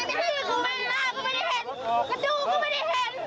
ทามีคุ้มูก็ไม่ได้เห็น